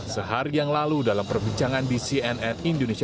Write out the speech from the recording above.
sehari yang lalu dalam perbincangan di cnn indonesia